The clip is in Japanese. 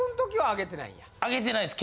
あげてないです。